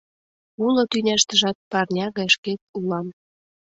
Уло тӱняштыжат парня гай шкет улам.